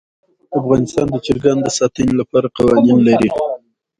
افغانستان د چرګانو د ساتنې لپاره قوانین لري.